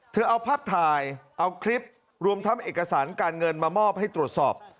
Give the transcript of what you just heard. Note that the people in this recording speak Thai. เอาภาพถ่ายเอาคลิปรวมทั้งเอกสารการเงินมามอบให้ตรวจสอบ